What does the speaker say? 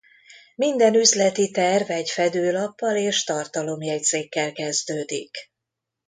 Minden üzleti terv egy fedőlappal és tartalomjegyzékkel kezdődik.